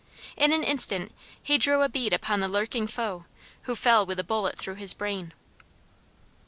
In an instant he drew a bead upon the lurking foe, who fell with a bullet through his brain.